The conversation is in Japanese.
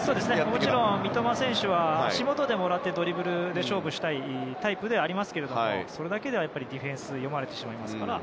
もちろん三笘選手は足元でもらってドリブルで勝負したいタイプですがそれだけではディフェンスに読まれるので。